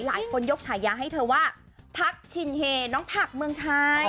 ยกฉายาให้เธอว่าพักชินเฮน้องผักเมืองไทย